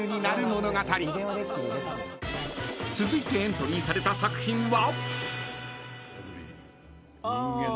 ［続いてエントリーされた作品は？］